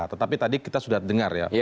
tetapi tadi kita sudah dengar ya